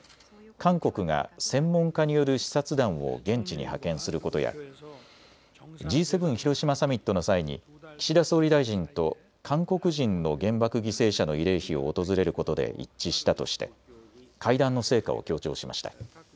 韓国が専門家による視察団を現地に派遣することやＧ７広島サミットの際に岸田総理大臣と韓国人の原爆犠牲者の慰霊碑を訪れることで一致したとして会談の成果を強調しました。